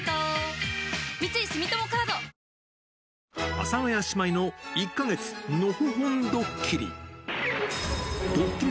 阿佐ヶ谷姉妹の１か月のほほんドッキリ。